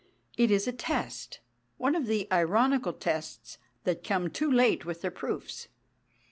It is a test one of the ironical tests that come too late with their proofs.